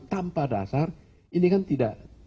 tanpa dasar ini kan tidak